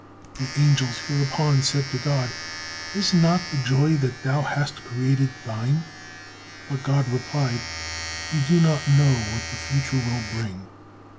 The angels hereupon said to God: "Is not the joy that Thou hast created Thine?" But God replied: "You do not know what the future will bring."